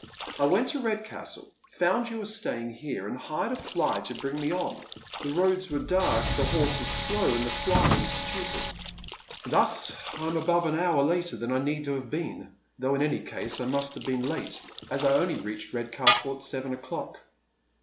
I went to Redcastle, found you were staying here, and hired a fly to bring me on. The roads were dark, the 214 Dead Men's Shoes. horse bIow, and the flyman stupid. Thus I am ahove an hotu' later than I need have been, though in any case I must have been late, as I only reached Redcastle at seven o'clock.